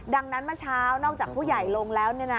ดังนั้นเมื่อเช้านอกจากผู้ใหญ่ลงแล้ว